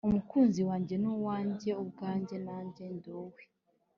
Umukunzi wanjye ni uwanjye ubwanjye nanjye ndi uwe